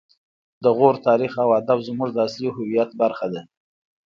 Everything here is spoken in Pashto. د غور تاریخ او ادب زموږ د اصلي هویت برخه ده